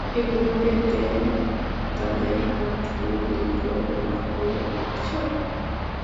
এগুলো পেতে তাদের হাত কিলবিল করবে না বলে ভাবছো?